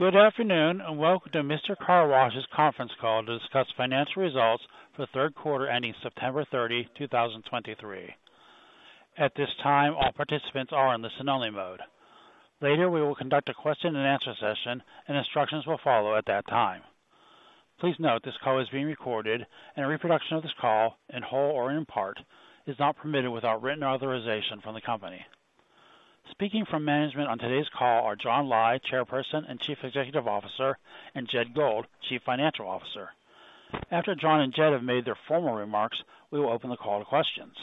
Good afternoon, and welcome to Mister Car Wash's conference call to discuss financial results for the Q3 ending September 30, 2023. At this time, all participants are in listen only mode. Later, we will conduct a question-and-answer session, and instructions will follow at that time. Please note this call is being recorded, and a reproduction of this call, in whole or in part, is not permitted without written authorization from the company. Speaking from management on today's call are John Lai, Chairperson and Chief Executive Officer, and Jed Gold, Chief Financial Officer. After John and Jed have made their formal remarks, we will open the call to questions.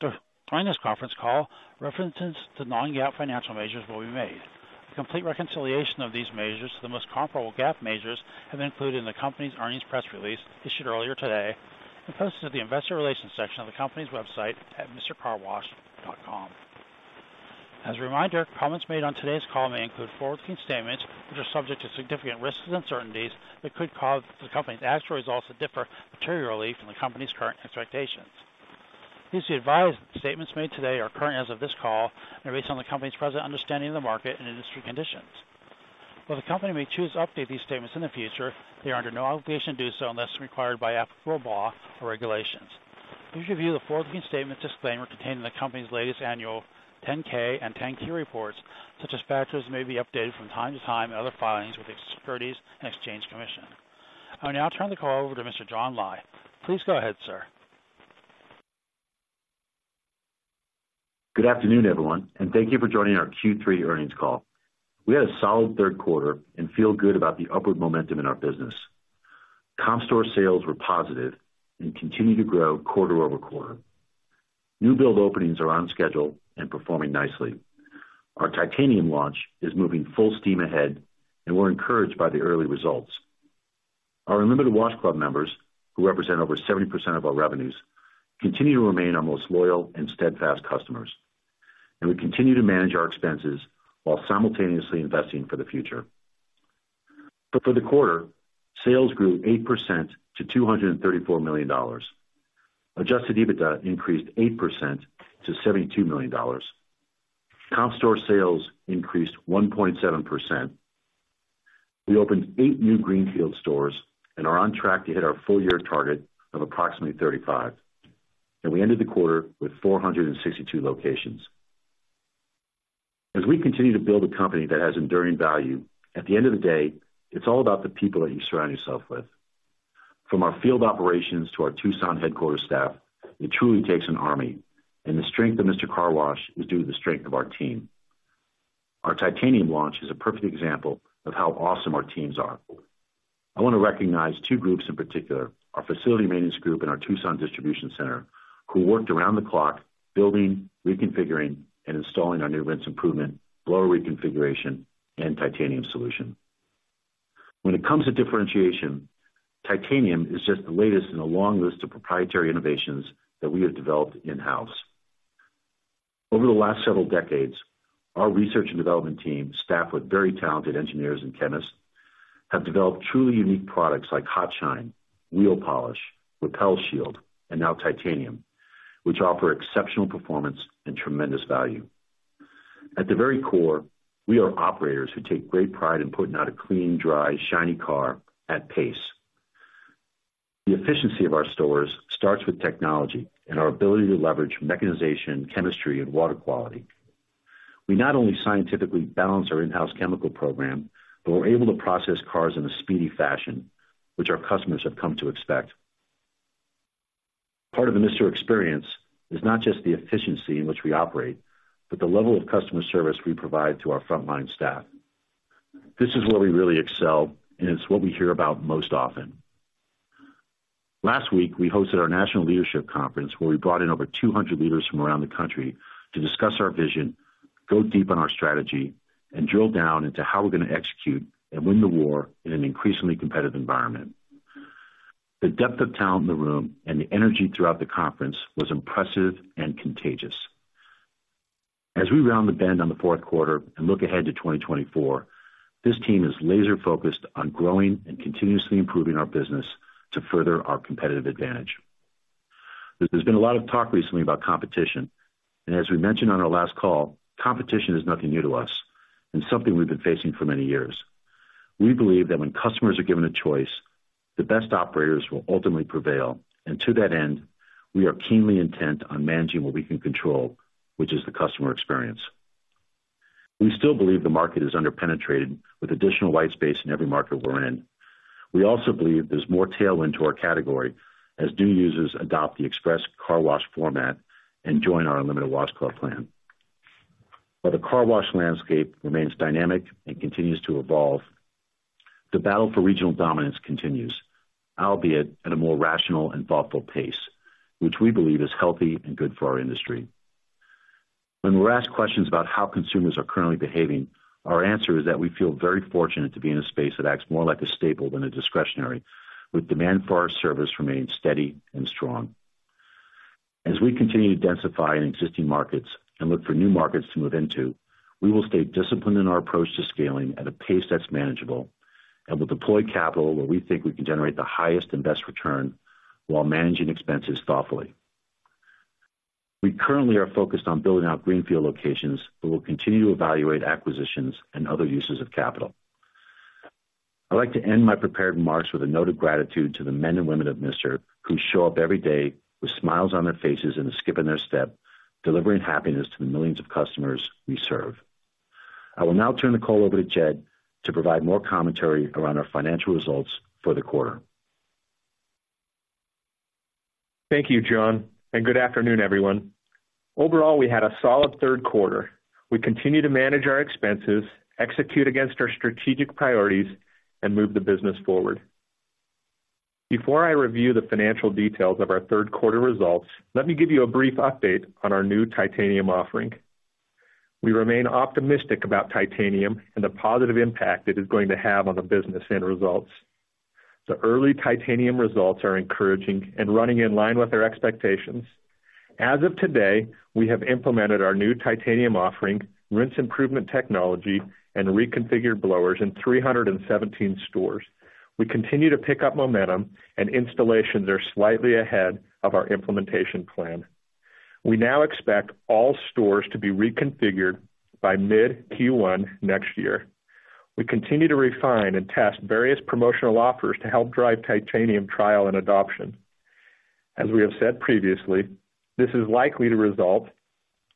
To join this conference call, references to non-GAAP financial measures will be made. The complete reconciliation of these measures to the most comparable GAAP measures have been included in the company's earnings press release issued earlier today and posted to the investor relations section of the company's website at mistercarwash.com. As a reminder, comments made on today's call may include forward-looking statements that are subject to significant risks and uncertainties that could cause the company's actual results to differ materially from the company's current expectations. Please be advised, statements made today are current as of this call and are based on the company's present understanding of the market and industry conditions. While the company may choose to update these statements in the future, they are under no obligation to do so unless required by applicable law or regulations. Please review the forward-looking statements disclaimer contained in the company's latest annual 10-K and 10-Q reports, such as factors may be updated from time to time in other filings with the Securities and Exchange Commission. I will now turn the call over to Mr. John Lai. Please go ahead, sir. Good afternoon, everyone, and thank you for joining our Q3 earnings call. We had a solid Q3 and feel good about the upward momentum in our business. Comp store sales were positive and continue to grow quarter-over-quarter. New build openings are on schedule and performing nicely. Our Titanium launch is moving full steam ahead, and we're encouraged by the early results. Our Unlimited Wash Club members, who represent over 70% of our revenues, continue to remain our most loyal and steadfast customers, and we continue to manage our expenses while simultaneously investing for the future. But for the quarter, sales grew 8% to $234 million. Adjusted EBITDA increased 8% to $72 million. Comp store sales increased 1.7%. We opened 8 new greenfields stores and are on track to hit our full year target of approximately 35, and we ended the quarter with 462 locations. As we continue to build a company that has enduring value, at the end of the day, it's all about the people that you surround yourself with. From our field operations to our Tucson headquarters staff, it truly takes an army, and the strength of Mister Car Wash is due to the strength of our team. Our Titanium launch is a perfect example of how awesome our teams are. I want to recognize two groups in particular, our facility maintenance group and our Tucson distribution center, who worked around the clock building, reconfiguring, and installing our new rinse improvement, blower reconfiguration, and Titanium solution. When it comes to differentiation, Titanium is just the latest in a long list of proprietary innovations that we have developed in-house. Over the last several decades, our research and development team, staffed with very talented engineers and chemists, have developed truly unique products like HotShine, Wheel Polish, Repel Shield, and now Titanium, which offer exceptional performance and tremendous value. At the very core, we are operators who take great pride in putting out a clean, dry, shiny car at pace. The efficiency of our stores starts with technology and our ability to leverage mechanization, chemistry, and water quality. We not only scientifically balance our in-house chemical program, but we're able to process cars in a speedy fashion, which our customers have come to expect. Part of the Mister experience is not just the efficiency in which we operate, but the level of customer service we provide to our frontline staff. This is where we really excel, and it's what we hear about most often. Last week, we hosted our National Leadership Conference, where we brought in over 200 leaders from around the country to discuss our vision, go deep on our strategy, and drill down into how we're gonna execute and win the war in an increasingly competitive environment. The depth of talent in the room and the energy throughout the conference was impressive and contagious. As we round the bend on the Q4 and look ahead to 2024, this team is laser focused on growing and continuously improving our business to further our competitive advantage. There's been a lot of talk recently about competition, and as we mentioned on our last call, competition is nothing new to us and something we've been facing for many years. We believe that when customers are given a choice, the best operators will ultimately prevail, and to that end, we are keenly intent on managing what we can control, which is the customer experience. We still believe the market is underpenetrated, with additional white space in every market we're in. We also believe there's more tailwind to our category as new users adopt the express car wash format and join our Unlimited Wash Club plan. While the car wash landscape remains dynamic and continues to evolve, the battle for regional dominance continues, albeit at a more rational and thoughtful pace, which we believe is healthy and good for our industry. When we're asked questions about how consumers are currently behaving, our answer is that we feel very fortunate to be in a space that acts more like a staple than a discretionary, with demand for our service remains steady and strong. As we continue to densify in existing markets and look for new markets to move into, we will stay disciplined in our approach to scaling at a pace that's manageable and will deploy capital where we think we can generate the highest and best return while managing expenses thoughtfully.... We currently are focused on building out greenfields locations, but we'll continue to evaluate acquisitions and other uses of capital. I'd like to end my prepared remarks with a note of gratitude to the men and women of Mister, who show up every day with smiles on their faces and a skip in their step, delivering happiness to the millions of customers we serve. I will now turn the call over to Jed to provide more commentary around our financial results for the quarter. Thank you, John, and good afternoon, everyone. Overall, we had a solid Q3. We continue to manage our expenses, execute against our strategic priorities, and move the business forward. Before I review the financial details of our Q3 results, let me give you a brief update on our new Titanium offering. We remain optimistic about Titanium and the positive impact it is going to have on the business and results. The early Titanium results are encouraging and running in line with our expectations. As of today, we have implemented our new Titanium offering, rinse improvement technology, and reconfigured blowers in 317 stores. We continue to pick up momentum and installations are slightly ahead of our implementation plan. We now expect all stores to be reconfigured by mid-Q1 next year. We continue to refine and test various promotional offers to help drive Titanium trial and adoption. As we have said previously, this is likely to result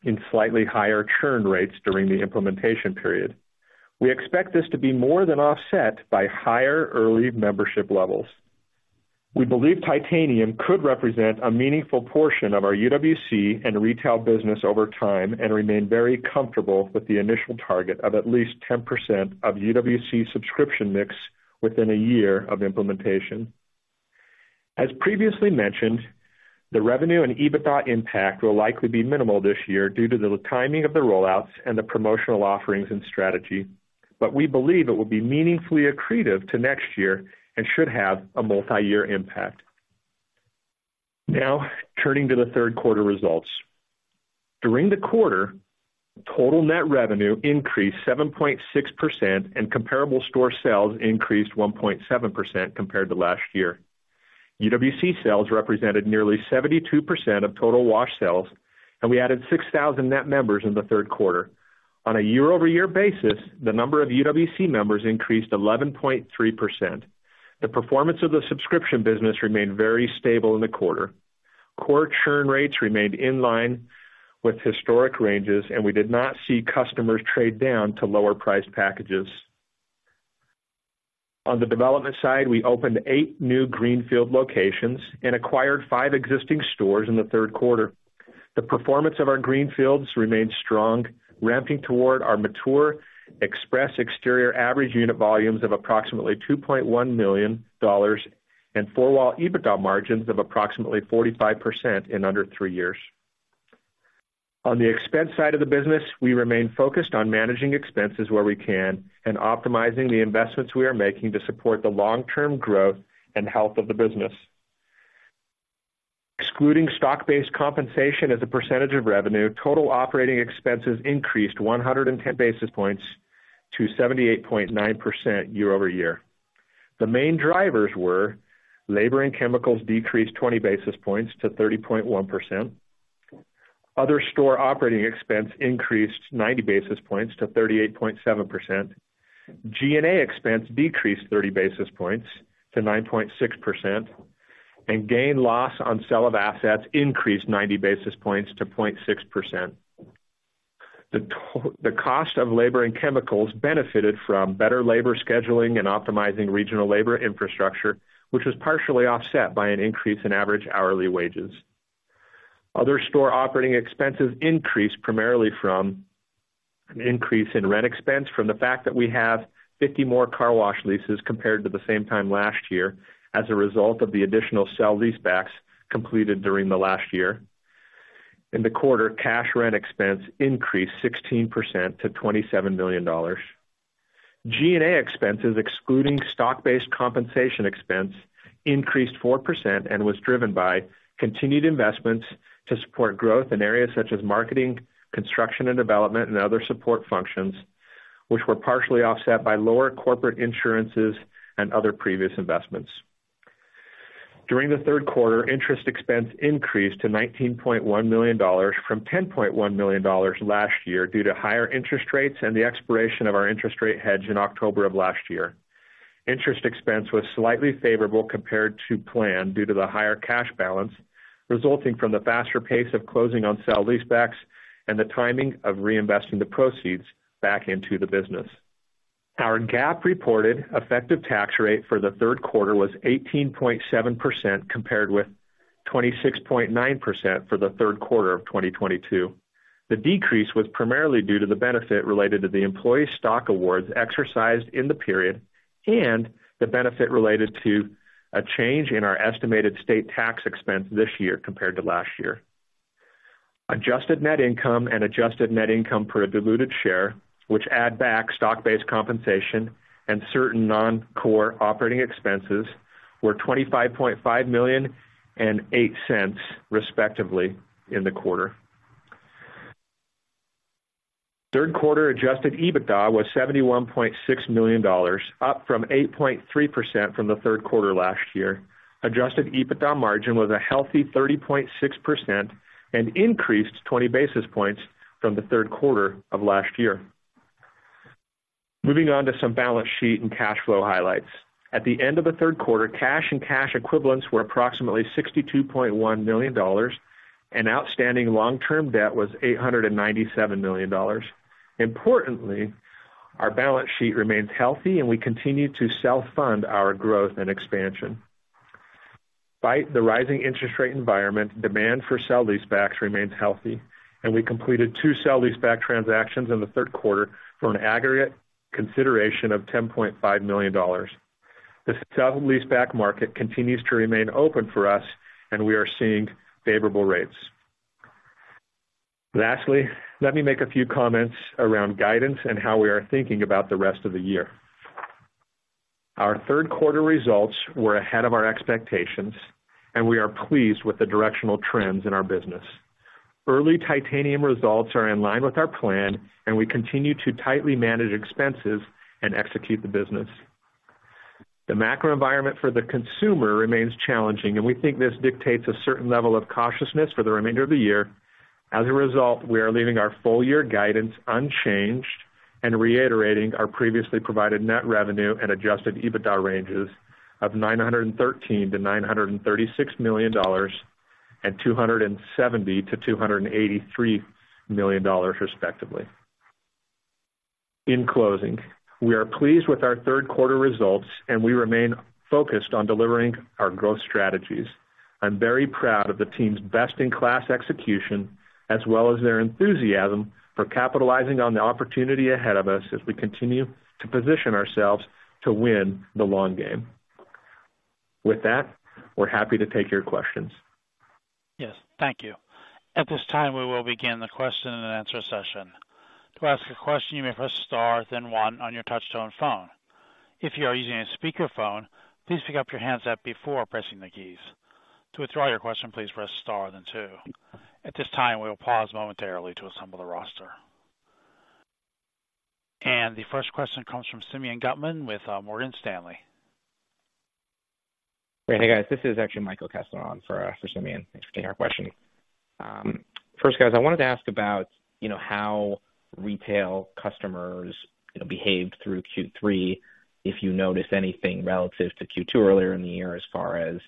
in slightly higher churn rates during the implementation period. We expect this to be more than offset by higher early membership levels. We believe Titanium could represent a meaningful portion of our UWC and retail business over time and remain very comfortable with the initial target of at least 10% of UWC subscription mix within a year of implementation. As previously mentioned, the revenue and EBITDA impact will likely be minimal this year due to the timing of the rollouts and the promotional offerings and strategy, but we believe it will be meaningfully accretive to next year and should have a multi-year impact. Now, turning to the Q3 results. During the quarter, total net revenue increased 7.6%, and comparable store sales increased 1.7% compared to last year. UWC sales represented nearly 72% of total wash sales, and we added 6,000 net members in the Q3. On a year-over-year basis, the number of UWC members increased 11.3%. The performance of the subscription business remained very stable in the quarter. Core churn rates remained in line with historic ranges, and we did not see customers trade down to lower priced packages. On the development side, we opened eight new greenfields locations and acquired five existing stores in the Q3. The performance of our greenfields remained strong, ramping toward our mature express exterior average unit volumes of approximately $2.1 million and four-wall EBITDA margins of approximately 45% in under three years. On the expense side of the business, we remain focused on managing expenses where we can and optimizing the investments we are making to support the long-term growth and health of the business. Excluding stock-based compensation as a percentage of revenue, total operating expenses increased 110 basis points to 78.9% year-over-year. The main drivers were: labor and chemicals decreased 20 basis points to 30.1%. Other store operating expense increased 90 basis points to 38.7%. G&A expense decreased 30 basis points to 9.6%, and gain loss on sale of assets increased 90 basis points to 0.6%. The cost of labor and chemicals benefited from better labor scheduling and optimizing regional labor infrastructure, which was partially offset by an increase in average hourly wages. Other store operating expenses increased primarily from an increase in rent expense from the fact that we have 50 more car wash leases compared to the same time last year as a result of the additional sale-leasebacks completed during the last year. In the quarter, cash rent expense increased 16% to $27 million. G&A expenses, excluding stock-based compensation expense, increased 4% and was driven by continued investments to support growth in areas such as marketing, construction and development, and other support functions, which were partially offset by lower corporate insurances and other previous investments. During the Q3, interest expense increased to $19.1 from $10.1 million last year due to higher interest rates and the expiration of our interest rate hedge in October of last year. Interest expense was slightly favorable compared to plan, due to the higher cash balance, resulting from the faster pace of closing on sale-leasebacks and the timing of reinvesting the proceeds back into the business. Our GAAP reported effective tax rate for the Q3 was 18.7%, compared with 26.9% for the Q3 of 2022. The decrease was primarily due to the benefit related to the employee stock awards exercised in the period and the benefit related to a change in our estimated state tax expense this year compared to last year. Adjusted net income and adjusted net income per diluted share, which add back stock-based compensation and certain non-core operating expenses, were $25.5 million and $0.08, respectively, in the- Q3 adjusted EBITDA was $71.6 million, up 8.3% from the Q3 last year. Adjusted EBITDA margin was a healthy 30.6% and increased 20 basis points from the Q3 of last year. Moving on to some balance sheet and cash flow highlights. At the end of the Q3, cash and cash equivalents were approximately $62.1 million, and outstanding long-term debt was $897 million. Importantly, our balance sheet remains healthy, and we continue to self-fund our growth and expansion. Despite the rising interest rate environment, demand for sale-leasebacks remains healthy, and we completed two sale-leaseback transactions in the Q3 for an aggregate consideration of $10.5 million. The sale-leaseback market continues to remain open for us, and we are seeing favorable rates. Lastly, let me make a few comments around guidance and how we are thinking about the rest of the year. Our Q3 results were ahead of our expectations, and we are pleased with the directional trends in our business. Early Titanium results are in line with our plan, and we continue to tightly manage expenses and execute the business. The macro environment for the consumer remains challenging, and we think this dictates a certain level of cautiousness for the remainder of the year. As a result, we are leaving our full year guidance unchanged and reiterating our previously provided net revenue and Adjusted EBITDA ranges of $913-$936 and $270-$283 million, respectively. In closing, we are pleased with our Q3 results, and we remain focused on delivering our growth strategies. I'm very proud of the team's best-in-class execution, as well as their enthusiasm for capitalizing on the opportunity ahead of us as we continue to position ourselves to win the long game. With that, we're happy to take your questions. Yes, thank you. At this time, we will begin the question and answer session. To ask a question, you may press star, then one on your touchtone phone. If you are using a speakerphone, please pick up your handset before pressing the keys. To withdraw your question, please press star then two. At this time, we will pause momentarily to assemble the roster. The first question comes from Simeon Gutman with Morgan Stanley. Hey, guys, this is actually Michael Kessler for, for Simeon. Thanks for taking our question. First, guys, I wanted to ask about, you know, how retail customers, you know, behaved through Q3, if you noticed anything relative to Q2 earlier in the year, as far as,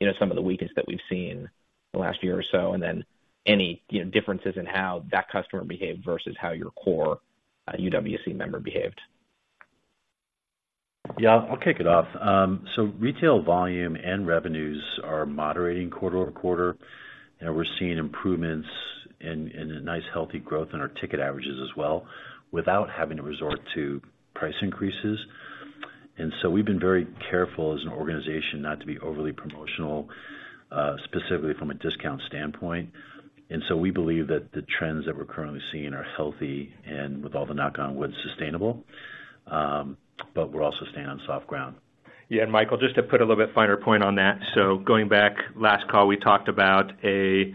you know, some of the weakness that we've seen in the last year or so, and then any, you know, differences in how that customer behaved versus how your core, UWC member behaved. Yeah, I'll kick it off. So retail volume and revenues are moderating quarter-over-quarter, and we're seeing improvements and, and a nice, healthy growth in our ticket averages as well, without having to resort to price increases. And so we've been very careful as an organization not to be overly promotional, specifically from a discount standpoint. And so we believe that the trends that we're currently seeing are healthy and with all the knock on wood, sustainable, but we're also staying on soft ground. Yeah, and Michael, just to put a little bit finer point on that. So going back, last call, we talked about a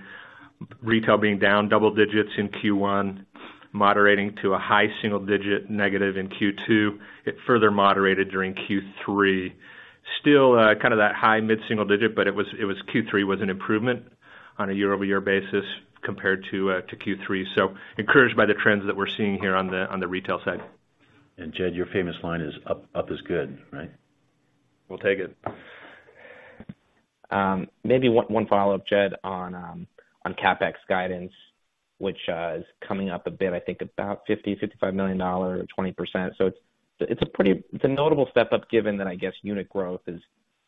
retail being down double digits in Q1, moderating to a high single digit, negative in Q2. It further moderated during Q3. Still, kind of that high, mid-single digit, but it was, it was Q3 was an improvement on a year-over-year basis compared to to Q3. So encouraged by the trends that we're seeing here on the retail side. Jed, your famous line is, "Up, up is good," right? We'll take it. Maybe one follow-up, Jed, on CapEx guidance, which is coming up a bit, I think about $55 million or 20%. So it's a pretty notable step up, given that I guess unit growth is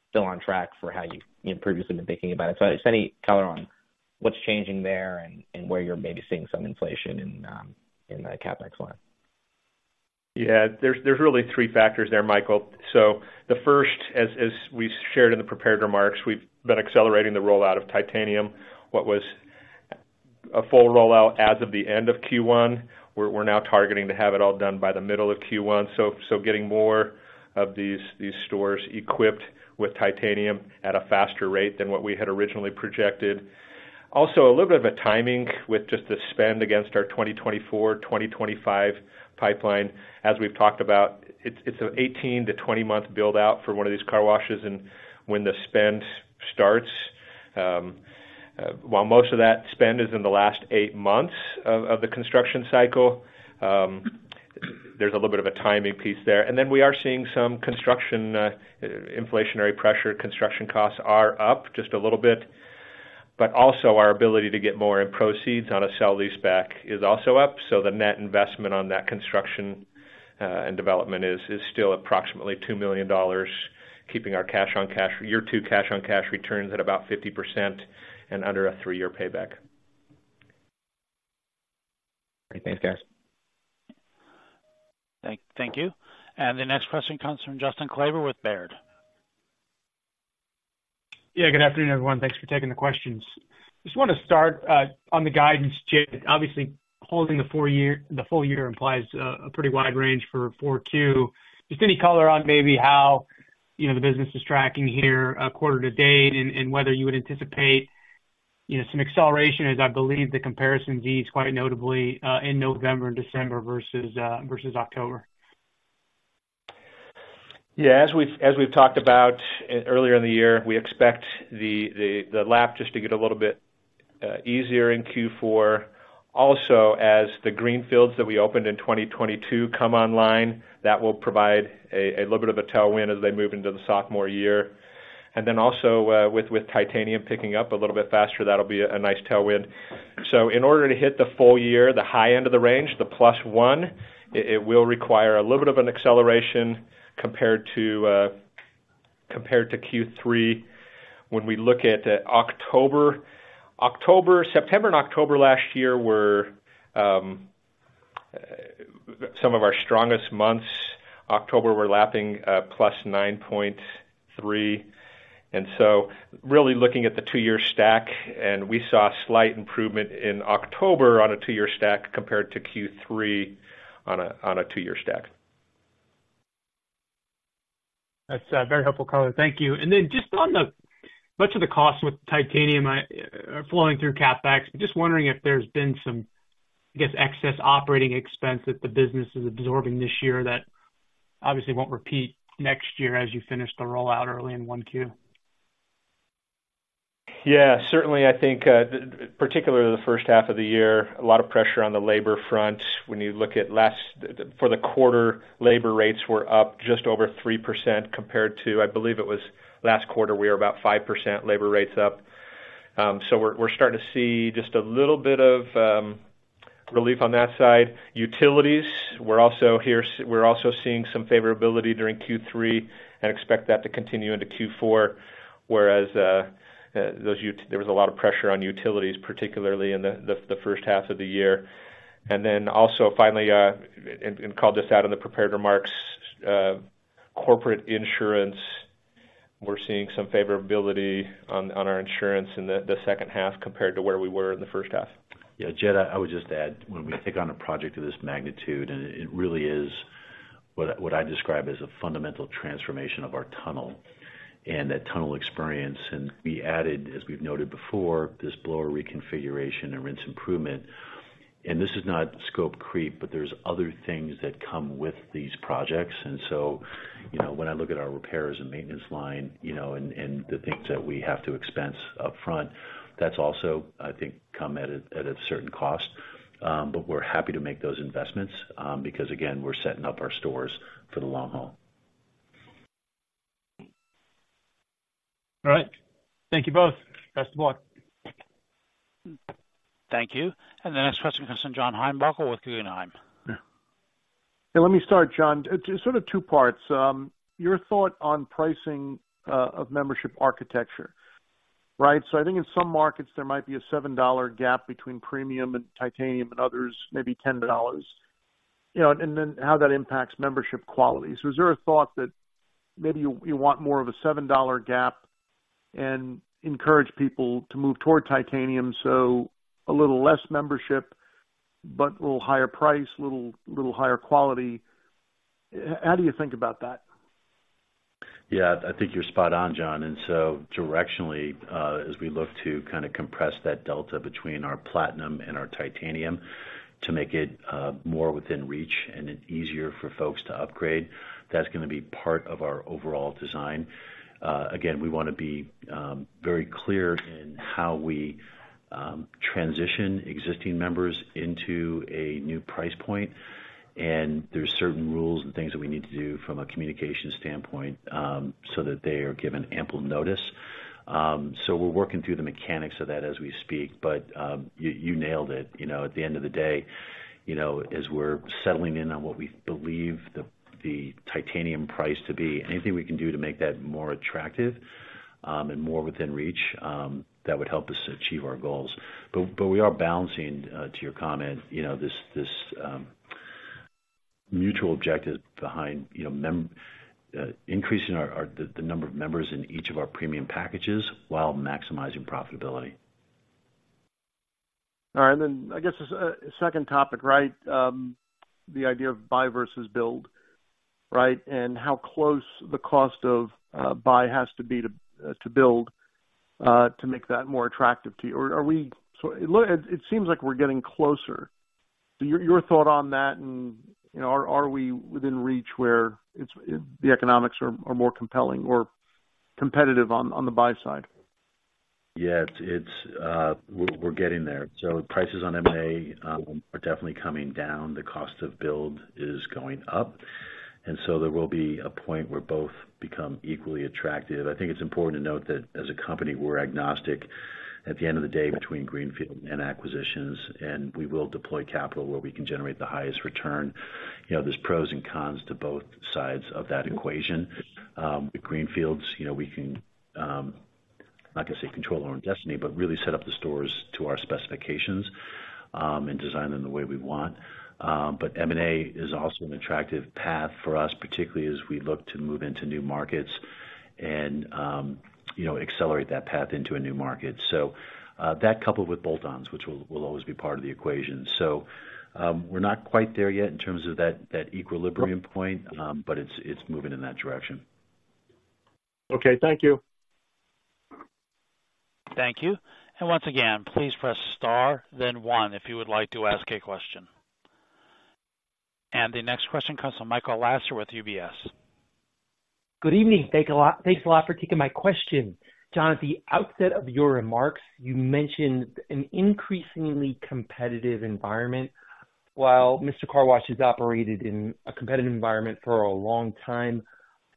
still on track for how you've previously been thinking about it. So just any color on what's changing there and where you're maybe seeing some inflation in the CapEx line? Yeah, there's really 3 factors there, Michael. So the first, as we shared in the prepared remarks, we've been accelerating the rollout of Titanium. What was a full rollout as of the end of Q1, we're now targeting to have it all done by the middle of Q1. So getting more of these stores equipped with Titanium at a faster rate than what we had originally projected. Also, a little bit of a timing with just the spend against our 2024, 2025 pipeline. As we've talked about, it's an 18-20-month build-out for one of these car washes. And when the spend starts, while most of that spend is in the last 8 months of the construction cycle, there's a little bit of a timing piece there. And then we are seeing some construction inflationary pressure. Construction costs are up just a little bit, but also our ability to get more in proceeds on a sale-leaseback is also up. So the net investment on that construction and development is still approximately $2 million, keeping our cash-on-cash year 2 cash-on-cash returns at about 50% and under a 3-year payback. Great. Thanks, guys. Thank you. The next question comes from Justin Kleber with Baird. Yeah, good afternoon, everyone. Thanks for taking the questions. Just want to start on the guidance, Jed. Obviously, holding the full year implies a pretty wide range for 4Q. Just any color on maybe how, you know, the business is tracking here quarter-to-date, and whether you would anticipate, you know, some acceleration as I believe the comparisons ease quite notably in November and December versus October? Yeah, as we've talked about earlier in the year, we expect the lap just to get a little bit easier in Q4. Also, as the greenfields that we opened in 2022 come online, that will provide a little bit of a tailwind as they move into the sophomore year. And then also, with Titanium picking up a little bit faster, that'll be a nice tailwind. So in order to hit the full year, the high end of the range, the +1, it will require a little bit of an acceleration compared to Q3. When we look at October. September and October last year were some of our strongest months. October, we're lapping +9.3%, and so really looking at the two-year stack, and we saw a slight improvement in October on a two-year stack compared to Q3 on a two-year stack. That's very helpful, Colin. Thank you. And then just on the much of the cost with Titanium flowing through CapEx, just wondering if there's been some, I guess, excess operating expense that the business is absorbing this year that obviously won't repeat next year as you finish the rollout early in 1Q? Yeah, certainly, I think, particularly the first half of the year, a lot of pressure on the labor front. When you look at the quarter, labor rates were up just over 3% compared to, I believe it was last quarter, we were about 5% labor rates up. So we're, we're starting to see just a little bit of relief on that side. Utilities, we're also seeing some favorability during Q3 and expect that to continue into Q4, whereas those—there was a lot of pressure on utilities, particularly in the first half of the year. And then also finally, called this out in the prepared remarks, corporate insurance, we're seeing some favorability on our insurance in the second half compared to where we were in the first half. Yeah, Jed, I would just add, when we take on a project of this magnitude, and it really is what I describe as a fundamental transformation of our tunnel and that tunnel experience. And we added, as we've noted before, this blower reconfiguration and rinse improvement. And this is not scope creep, but there's other things that come with these projects. And so, you know, when I look at our repairs and maintenance line, you know, and the things that we have to expense upfront, that's also, I think, come at a certain cost. But we're happy to make those investments, because, again, we're setting up our stores for the long haul. All right. Thank you both. Best of luck. Thank you. The next question comes from John Heinbockel with Guggenheim. Yeah, let me start, John. Just sort of two parts. Your thought on pricing of membership architecture, right? So I think in some markets, there might be a $7 gap between premium and titanium, and others, maybe $10, you know, and then how that impacts membership quality. So is there a thought that maybe you want more of a $7 gap and encourage people to move toward titanium, so a little less membership, but a little higher price, a little higher quality? How do you think about that? Yeah, I think you're spot on, John. And so directionally, as we look to kind of compress that delta between our Platinum and our Titanium to make it more within reach and easier for folks to upgrade, that's gonna be part of our overall design. Again, we wanna be very clear in how we transition existing members into a new price point, and there's certain rules and things that we need to do from a communication standpoint, so that they are given ample notice. So we're working through the mechanics of that as we speak. But you nailed it. You know, at the end of the day, you know, as we're settling in on what we believe the Titanium price to be, anything we can do to make that more attractive and more within reach that would help us achieve our goals. But we are balancing, to your comment, you know, this mutual objective behind, you know, increasing the number of members in each of our premium packages while maximizing profitability. All right, and then I guess, second topic, right? The idea of buy versus build, right? And how close the cost of, buy has to be to, to build, to make that more attractive to you. Or are we—so it look, it, it seems like we're getting closer. So your, your thought on that and, you know, are, are we within reach where it's, the economics are, are more compelling or competitive on, on the buy side? Yeah, it's we're getting there. So prices on M&A are definitely coming down. The cost of build is going up, and so there will be a point where both become equally attractive. I think it's important to note that as a company, we're agnostic at the end of the day between greenfields and acquisitions, and we will deploy capital where we can generate the highest return. You know, there's pros and cons to both sides of that equation. The greenfields, you know, we can, I'm not gonna say control our own destiny, but really set up the stores to our specifications, and design them the way we want. But M&A is also an attractive path for us, particularly as we look to move into new markets and, you know, accelerate that path into a new market. So, that coupled with bolt-ons, which will always be part of the equation. So, we're not quite there yet in terms of that equilibrium point, but it's moving in that direction. Okay, thank you. Thank you. Once again, please press star then one if you would like to ask a question. The next question comes from Michael Lasser with UBS. Good evening. Thanks a lot for taking my question. John, at the outset of your remarks, you mentioned an increasingly competitive environment. While Mister Car Wash has operated in a competitive environment for a long time,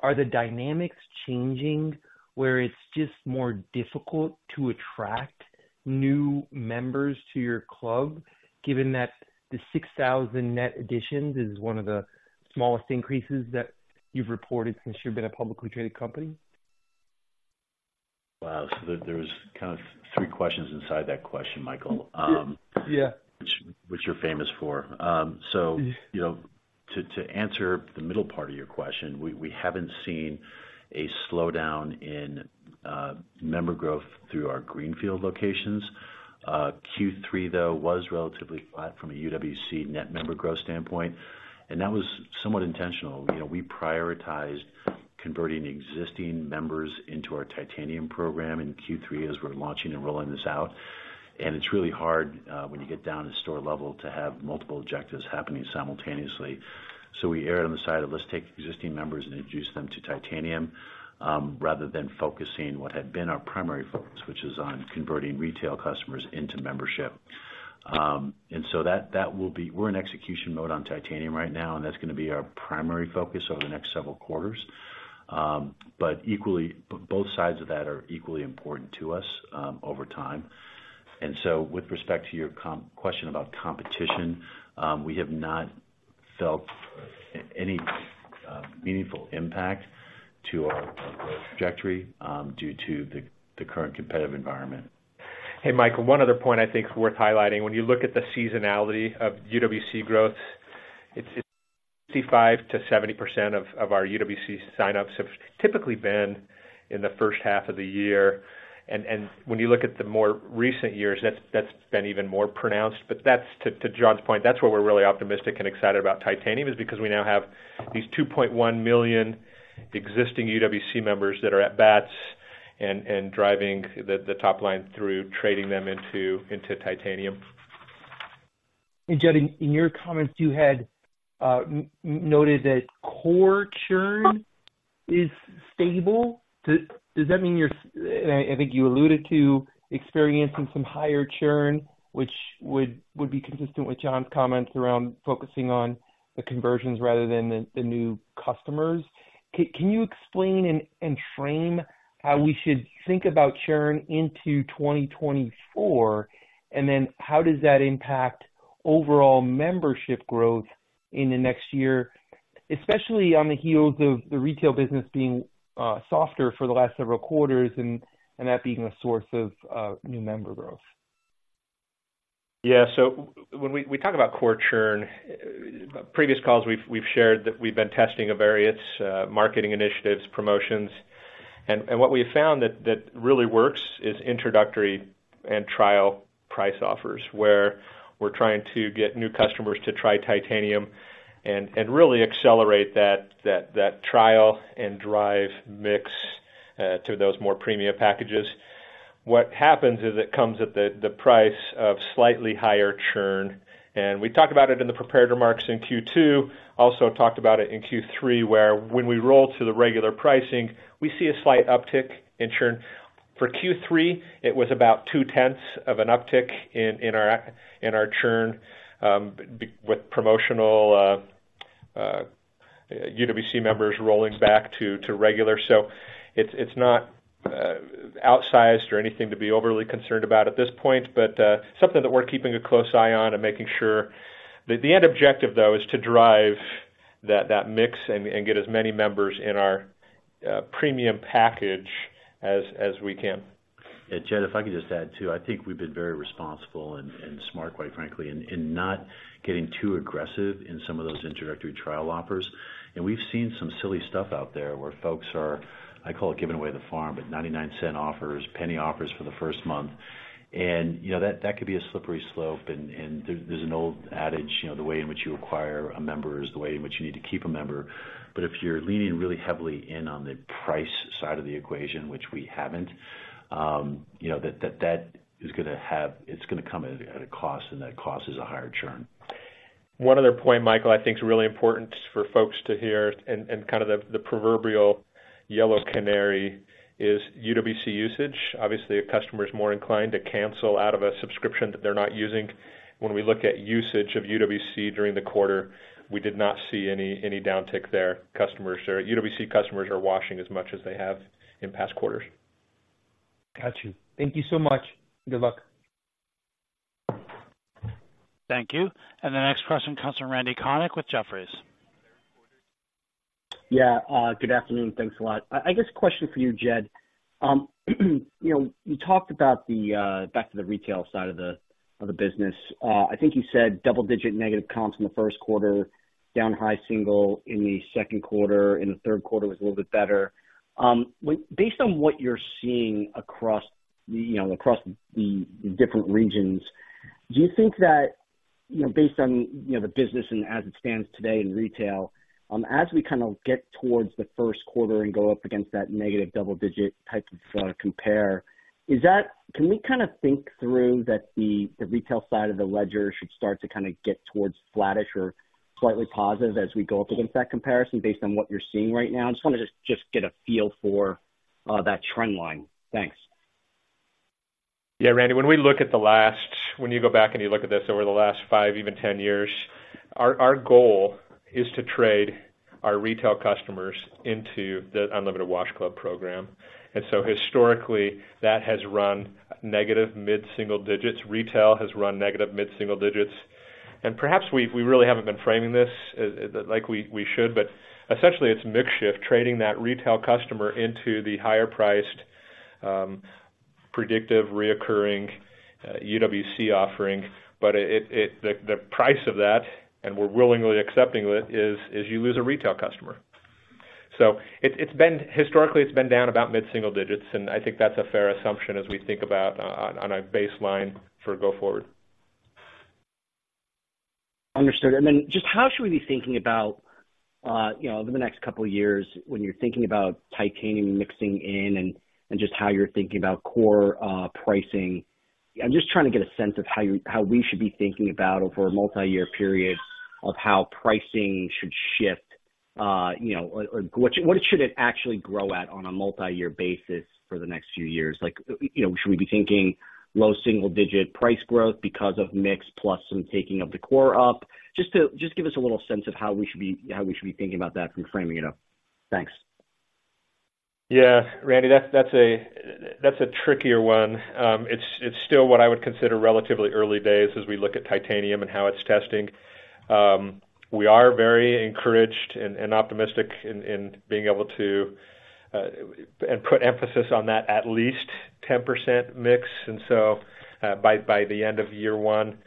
are the dynamics changing where it's just more difficult to attract new members to your club, given that the 6,000 net additions is one of the smallest increases that you've reported since you've been a publicly traded company? Wow. So there, there's kind of three questions inside that question, Michael. Yeah. Which you're famous for. So, you know, to answer the middle part of your question, we haven't seen a slowdown in member growth through our greenfields locations. Q3, though, was relatively flat from a UWC net member growth standpoint, and that was somewhat intentional. You know, we prioritized converting existing members into our Titanium program in Q3 as we're launching and rolling this out. And it's really hard, when you get down to store level, to have multiple objectives happening simultaneously. So we erred on the side of let's take existing members and introduce them to Titanium, rather than focusing what had been our primary focus, which is on converting retail customers into membership. And so that will be. We're in execution mode on Titanium right now, and that's gonna be our primary focus over the next several quarters. But equally, both sides of that are equally important to us, over time. And so with respect to your question about competition, we have not felt any meaningful impact to our growth trajectory, due to the current competitive environment. Hey, Michael, one other point I think is worth highlighting. When you look at the seasonality of UWC growth, it's 55%-70% of our UWC signups have typically been in the first half of the year. And when you look at the more recent years, that's been even more pronounced. But that's to John's point, that's where we're really optimistic and excited about Titanium because we now have these 2.1 million existing UWC members that are at bats and driving the top line through trading them into Titanium. And, Jed, in your comments, you had noted that core churn is stable. Does that mean you're... And I think you alluded to experiencing some higher churn, which would be consistent with John's comments around focusing on the conversions rather than the new customers. Can you explain and frame how we should think about churn into 2024? And then how does that impact overall membership growth in the next year, especially on the heels of the retail business being softer for the last several quarters and that being a source of new member growth? Yeah, so when we talk about core churn, previous calls, we've shared that we've been testing various marketing initiatives, promotions. And what we found that really works is introductory and trial price offers, where we're trying to get new customers to try Titanium and really accelerate that trial and drive mix to those more premium packages. What happens is it comes at the price of slightly higher churn, and we talked about it in the prepared remarks in Q2, also talked about it in Q3, where when we roll to the regular pricing, we see a slight uptick in churn. For Q3, it was about 0.2 uptick in our churn with promotional UWC members rolling back to regular. So it's not outsized or anything to be overly concerned about at this point, but something that we're keeping a close eye on and making sure... The end objective, though, is to drive that mix and get as many members in our premium package as we can. Jed, if I could just add, too, I think we've been very responsible and smart, quite frankly, in not getting too aggressive in some of those introductory trial offers. We've seen some silly stuff out there where folks are, I call it, giving away the farm, but $0.99 offers, $0.01 offers for the first month. You know, that could be a slippery slope. And there's an old adage: you know, the way in which you acquire a member is the way in which you need to keep a member. But if you're leaning really heavily in on the price side of the equation, which we haven't, you know, that is gonna have - it's gonna come at a cost, and that cost is a higher churn. One other point, Michael, I think is really important for folks to hear and kind of the proverbial yellow canary is UWC usage. Obviously, a customer is more inclined to cancel out of a subscription that they're not using. When we look at usage of UWC during the quarter, we did not see any downtick there. UWC customers are washing as much as they have in past quarters. Got you. Thank you so much. Good luck. Thank you. The next question comes from Randal Konik with Jefferies. Yeah, good afternoon. Thanks a lot. I guess question for you, Jed. You know, you talked about the back to the retail side of the business. I think you said double-digit negative comps in the Q1, down high single in the Q2, in the Q3 was a little bit better. Based on what you're seeing across, you know, across the different regions- Do you think that, you know, based on, you know, the business and as it stands today in retail, as we kind of get towards the Q1 and go up against that negative double digit type of compare, can we kind of think through that the retail side of the ledger should start to kind of get towards flattish or slightly positive as we go up against that comparison based on what you're seeing right now? I just want to get a feel for that trend line. Thanks. Yeah, Randal, when you go back and you look at this over the last 5, even 10 years, our goal is to trade our retail customers into the Unlimited Wash Club program. And so historically, that has run negative mid-single digits. Retail has run negative mid-single digits, and perhaps we really haven't been framing this like we should, but essentially, it's mix shift, trading that retail customer into the higher priced predictive recurring UWC offering. But it, the price of that, and we're willingly accepting it, is you lose a retail customer. So it, it's been historically, it's been down about mid-single digits, and I think that's a fair assumption as we think about on a baseline for go forward. Understood. And then, just how should we be thinking about, you know, over the next couple of years when you're thinking about Titanium mixing in and, and just how you're thinking about core pricing? I'm just trying to get a sense of how you—how we should be thinking about over a multi-year period of how pricing should shift, you know, or, or what, what should it actually grow at on a multi-year basis for the next few years? Like, you know, should we be thinking low single digit price growth because of mix plus some taking of the core up? Just to, just give us a little sense of how we should be, how we should be thinking about that from framing it up. Thanks. Yeah, Randal, that's a trickier one. It's still what I would consider relatively early days as we look at Titanium and how it's testing. We are very encouraged and optimistic in being able to put emphasis on that at least 10% mix, and so by the end of year one.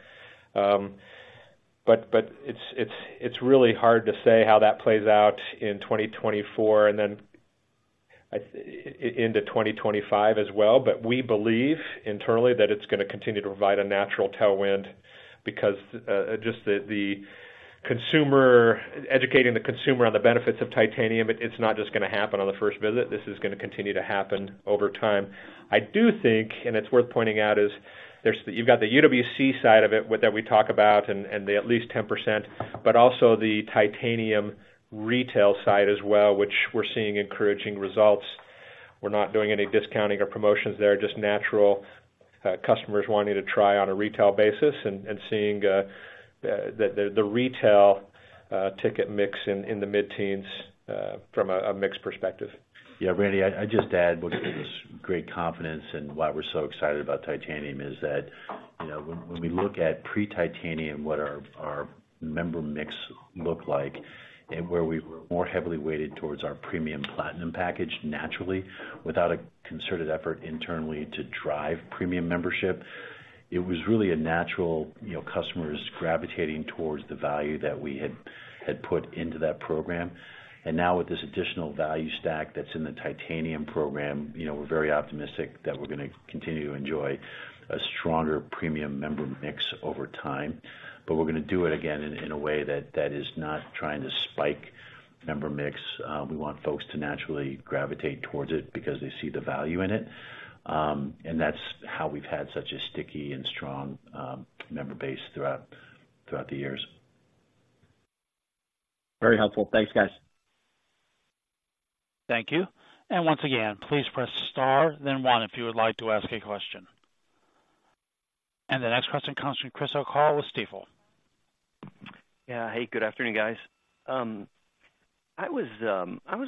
But it's really hard to say how that plays out in 2024 and then into 2025 as well. But we believe internally that it's going to continue to provide a natural tailwind because just the consumer... Educating the consumer on the benefits of Titanium, it's not just going to happen on the first visit. This is going to continue to happen over time. I do think, and it's worth pointing out, there's you've got the UWC side of it that we talk about and the at least 10%, but also the Titanium retail side as well, which we're seeing encouraging results. We're not doing any discounting or promotions there, just natural customers wanting to try on a retail basis and seeing the retail ticket mix in the mid-teens from a mix perspective. Yeah, Randal, I just have great confidence in why we're so excited about Titanium is that, you know, when we look at pre-Titanium, what our member mix looked like and where we were more heavily weighted towards our premium Platinum package, naturally, without a concerted effort internally to drive premium membership, it was really a natural, you know, customers gravitating towards the value that we had put into that program. And now with this additional value stack that's in the Titanium program, you know, we're very optimistic that we're going to continue to enjoy a stronger premium member mix over time. But we're going to do it again in a way that is not trying to spike member mix. We want folks to naturally gravitate towards it because they see the value in it. And that's how we've had such a sticky and strong member base throughout the years. Very helpful. Thanks, guys. Thank you. And once again, please press Star, then One, if you would like to ask a question. And the next question comes from Chris O'Cull with Stifel. Yeah. Hey, good afternoon, guys. I was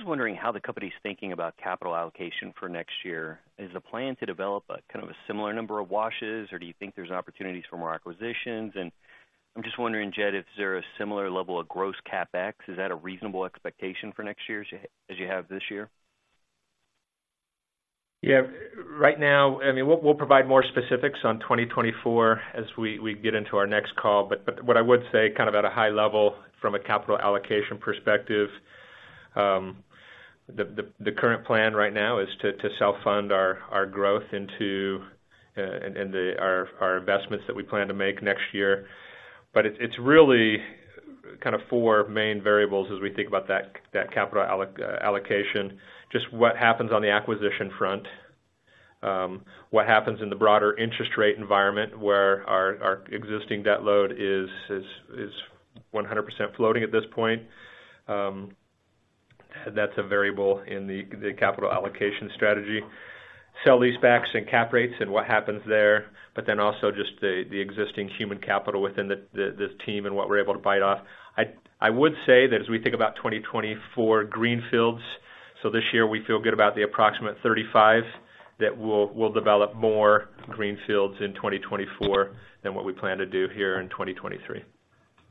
wondering how the company's thinking about capital allocation for next year. Is the plan to develop a kind of a similar number of washes, or do you think there's opportunities for more acquisitions? And I'm just wondering, Jed, is there a similar level of gross CapEx? Is that a reasonable expectation for next year as you have this year? Yeah. Right now, I mean, we'll provide more specifics on 2024 as we get into our next call. But what I would say, kind of at a high level from a capital allocation perspective, the current plan right now is to self-fund our growth and our investments that we plan to make next year. But it's really kind of four main variables as we think about that capital allocation. Just what happens on the acquisition front, what happens in the broader interest rate environment, where our existing debt load is 100% floating at this point. That's a variable in the capital allocation strategy. Sale-leasebacks and cap rates and what happens there, but then also just the existing human capital within the team and what we're able to bite off. I would say that as we think about 2024 greenfields, so this year we feel good about the approximate 35, that we'll develop more greenfields in 2024 than what we plan to do here in 2023.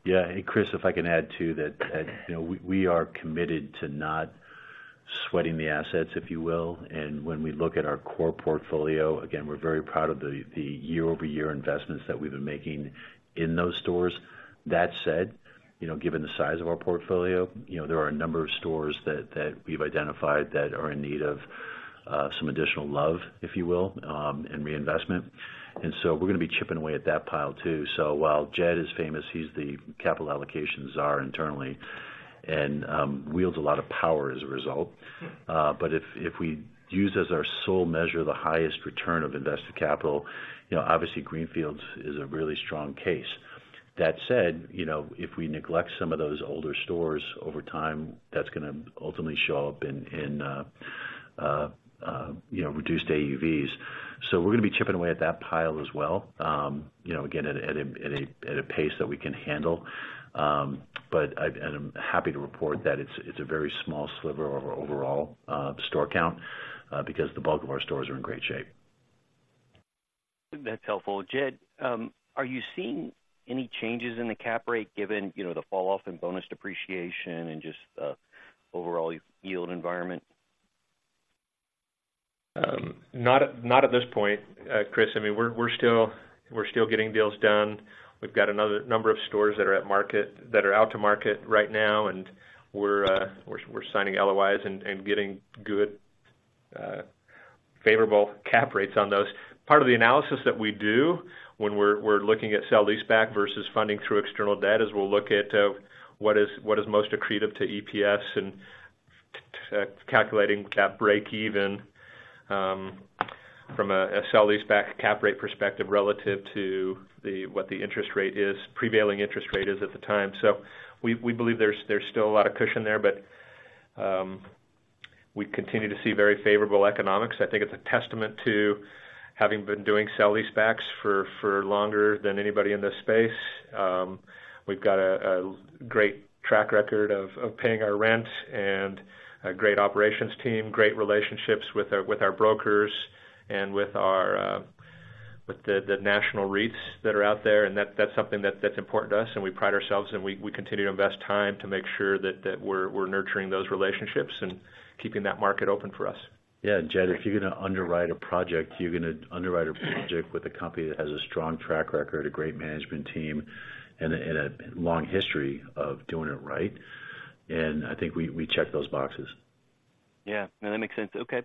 Yeah. And Chris, if I can add to that, you know, we are committed to not sweating the assets, if you will. And when we look at our core portfolio, again, we're very proud of the year-over-year investments that we've been making in those stores. That said, you know, given the size of our portfolio, you know, there are a number of stores that we've identified that are in need of some additional love, if you will, and reinvestment. And so we're gonna be chipping away at that pile, too. So while Jed is famous, he's the capital allocation czar internally, and wields a lot of power as a result. But if we use as our sole measure, the highest return of invested capital, you know, obviously, Greenfields is a really strong case. That said, you know, if we neglect some of those older stores over time, that's gonna ultimately show up in you know, reduced AUVs. So we're gonna be chipping away at that pile as well, you know, again, at a pace that we can handle. But and I'm happy to report that it's a very small sliver of our overall store count because the bulk of our stores are in great shape. That's helpful. Jed, are you seeing any changes in the Cap Rate given, you know, the falloff in bonus depreciation and just, overall yield environment? Not at, not at this point, Chris. I mean, we're still getting deals done. We've got another number of stores that are at market, that are out to market right now, and we're signing LOIs and getting good favorable cap rates on those. Part of the analysis that we do when we're looking at sale-leaseback versus funding through external debt is we'll look at what is most accretive to EPS and calculating cap break even from a sale-leaseback cap rate perspective relative to the... what the interest rate is, prevailing interest rate is at the time. So we believe there's still a lot of cushion there, but we continue to see very favorable economics. I think it's a testament to having been doing sale-leasebacks for longer than anybody in this space. We've got a great track record of paying our rent and a great operations team, great relationships with our brokers and with the national REITs that are out there. And that's something that's important to us, and we pride ourselves, and we continue to invest time to make sure that we're nurturing those relationships and keeping that market open for us. Yeah, Jed, if you're gonna underwrite a project, you're gonna underwrite a project with a company that has a strong track record, a great management team, and a, and a long history of doing it right. And I think we, we check those boxes. Yeah, no, that makes sense. Okay.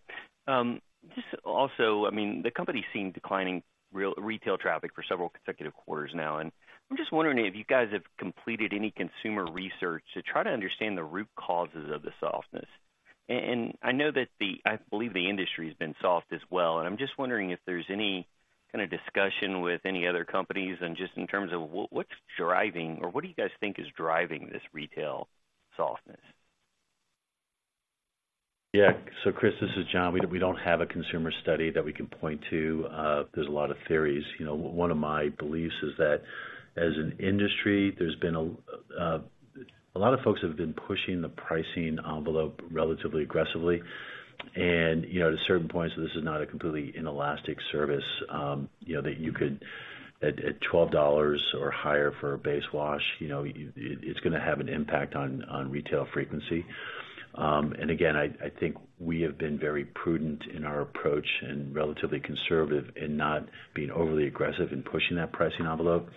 Just also, I mean, the company's seen declining retail traffic for several consecutive quarters now, and I'm just wondering if you guys have completed any consumer research to try to understand the root causes of the softness. And I know that, I believe the industry has been soft as well, and I'm just wondering if there's any kind of discussion with any other companies and just in terms of what's driving or what do you guys think is driving this retail softness? Yeah. So, Chris, this is John. We, we don't have a consumer study that we can point to. There's a lot of theories. You know, one of my beliefs is that as an industry, there's been a lot of folks have been pushing the pricing envelope relatively aggressively. And, you know, to certain points, this is not a completely inelastic service, you know, that you could at 12 dollars or higher for a base wash, you know, it's gonna have an impact on retail frequency. And again, I think we have been very prudent in our approach and relatively conservative in not being overly aggressive in pushing that pricing envelope.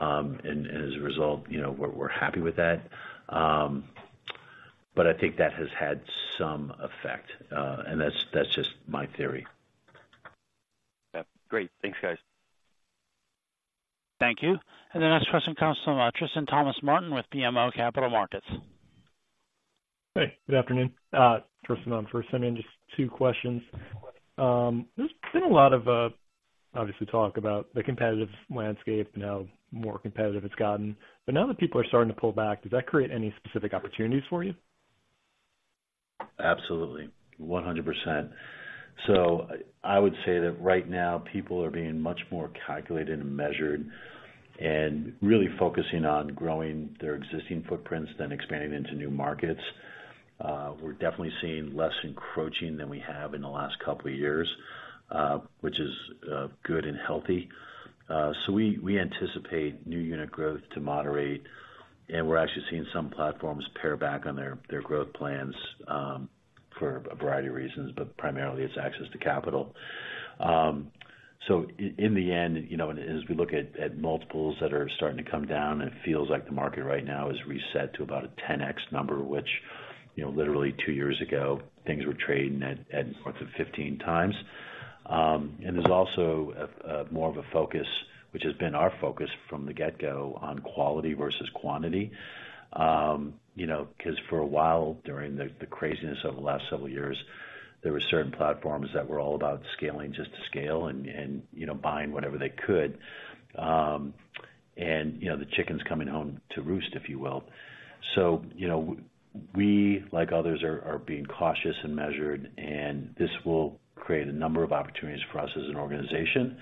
And as a result, you know, we're happy with that. But I think that has had some effect, and that's just my theory. Yeah, great. Thanks, guys. Thank you. The next question comes from Tristan Thomas-Martin with BMO Capital Markets. Hey, good afternoon. Tristan on first. I mean, just two questions. There's been a lot of, obviously, talk about the competitive landscape and how more competitive it's gotten, but now that people are starting to pull back, does that create any specific opportunities for you? Absolutely, 100%. So I would say that right now, people are being much more calculated and measured and really focusing on growing their existing footprints than expanding into new markets. We're definitely seeing less encroaching than we have in the last couple of years, which is good and healthy. So we anticipate new unit growth to moderate, and we're actually seeing some platforms pare back on their growth plans for a variety of reasons, but primarily it's access to capital. In the end, you know, as we look at multiples that are starting to come down, it feels like the market right now is reset to about a 10x number, which, you know, literally two years ago, things were trading at upwards of 15x. And there's also a more of a focus, which has been our focus from the get-go, on quality versus quantity. You know, 'cause for a while, during the craziness of the last several years, there were certain platforms that were all about scaling, just to scale and, you know, buying whatever they could. And, you know, the chicken's coming home to roost, if you will. So, you know, we, like others, are being cautious and measured, and this will create a number of opportunities for us as an organization.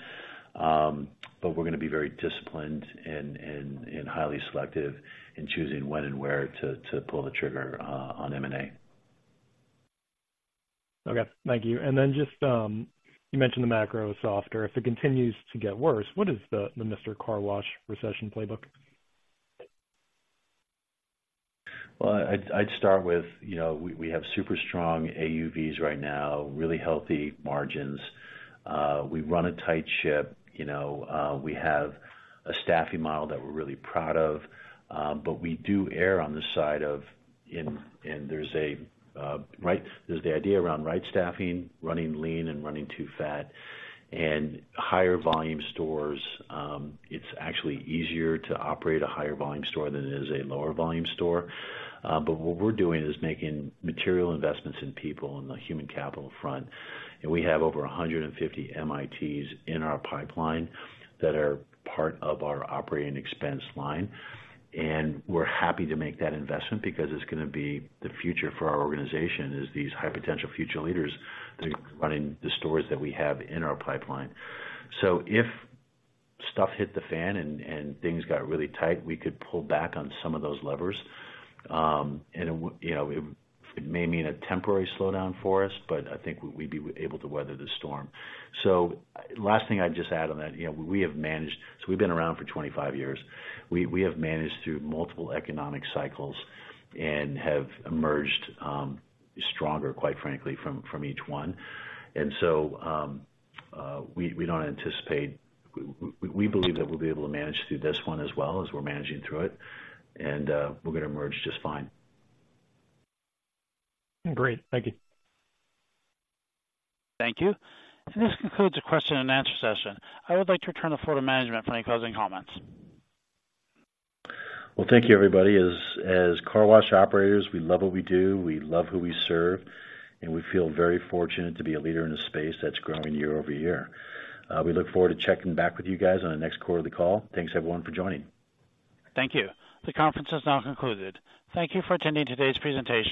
But we're gonna be very disciplined and highly selective in choosing when and where to pull the trigger on M&A. Okay, thank you. And then just, you mentioned the macro softer. If it continues to get worse, what is the Mister Car Wash recession playbook? Well, I'd start with, you know, we have super strong AUVs right now, really healthy margins. We run a tight ship, you know, we have a staffing model that we're really proud of, but we do err on the side of and there's a right, there's the idea around right staffing, running lean and running too fat. And higher volume stores, it's actually easier to operate a higher volume store than it is a lower volume store. But what we're doing is making material investments in people on the human capital front. We have over 150 MITs in our pipeline that are part of our operating expense line, and we're happy to make that investment because it's gonna be the future for our organization, is these high-potential future leaders that are running the stores that we have in our pipeline. So if stuff hit the fan and things got really tight, we could pull back on some of those levers. And you know, it may mean a temporary slowdown for us, but I think we'd be able to weather the storm. So last thing I'd just add on that, you know, we have managed, so we've been around for 25 years. We have managed through multiple economic cycles and have emerged stronger, quite frankly, from each one. We don't anticipate, we believe that we'll be able to manage through this one as well as we're managing through it, and we're gonna emerge just fine. Great. Thank you. Thank you. This concludes the question and answer session. I would like to return the floor to management for any closing comments. Well, thank you, everybody. As car wash operators, we love what we do, we love who we serve, and we feel very fortunate to be a leader in a space that's growing year over year. We look forward to checking back with you guys on the next quarterly call. Thanks, everyone, for joining. Thank you. The conference is now concluded. Thank you for attending today's presentation.